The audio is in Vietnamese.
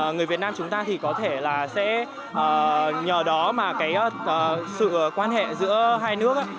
người việt nam chúng ta thì có thể là sẽ nhờ đó mà cái sự quan hệ giữa hai nước